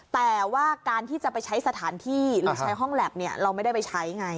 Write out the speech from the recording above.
แต่ว่าการที่จะไปใช้สถานที่หรือใช้ห้องแล็บเราไม่ได้ไปใช้ไง